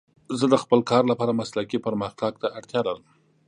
زه د خپل کار لپاره مسلکي پرمختګ ته اړتیا لرم.